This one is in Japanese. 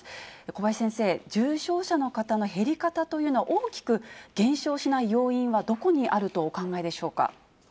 小林先生、重症者の方の減り方というのは、大きく減少しない要因はどこにあるとお考えでしょうか。